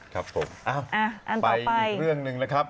ครับผมอ้าวอันต่อไปไปอีกเรื่องหนึ่งนะครับ